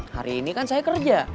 hari ini kan saya kerja